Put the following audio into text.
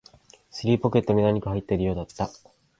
尻ポケットに何か入っているようだった